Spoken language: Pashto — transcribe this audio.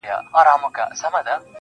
گراني چي ستا سره خبـري كوم.